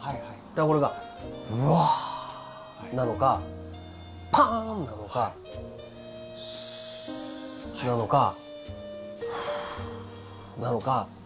だからこれがうわあなのかパンなのかスなのかふうなのか。